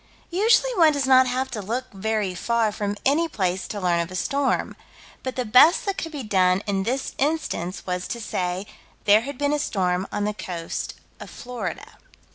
Usually one does not have to look very far from any place to learn of a storm. But the best that could be done in this instance was to say: "There had been a storm on the coast of Florida."